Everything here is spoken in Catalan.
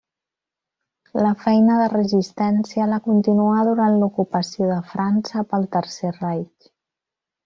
La feina de resistència la continuà durant l'ocupació de França pel Tercer Reich.